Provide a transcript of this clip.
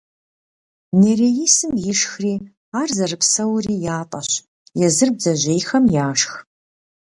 Нереисым ишхри ар зэрыпсэури ятӀэщ, езыр бдзэжьейхэм яшх.